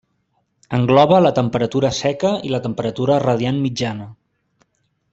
Engloba la temperatura seca i la temperatura radiant mitjana.